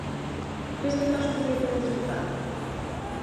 Cres que está o suficientemente explotada?